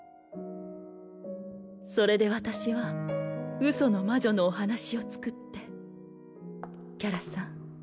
それで私はうその魔女のお話を作ってキャラさん